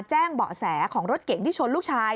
เบาะแสของรถเก่งที่ชนลูกชาย